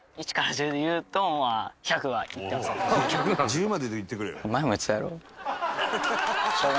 「１０までで言ってくれよ」